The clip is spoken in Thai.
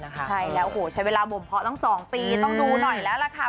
ใช่แล้วโอ้โหใช้เวลาบ่มเพาะตั้ง๒ปีต้องดูหน่อยแล้วล่ะค่ะ